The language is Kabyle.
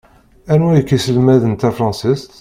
Anwa i ak-iselmaden tafṛansist?